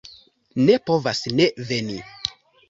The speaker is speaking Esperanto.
Ne povas ne veni.